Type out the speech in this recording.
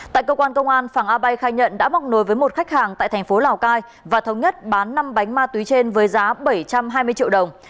tại cơ quan công an phàng a bay khai nhận đã móc nối với một khách hàng tại thành phố lào cai và thống nhất bán năm bánh ma túy trên với giá bảy trăm hai mươi triệu đồng